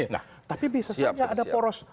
nah tapi bisa saja ada poros